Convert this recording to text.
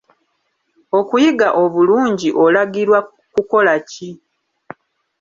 Okuyiga obulungi olagirwa kukola ki?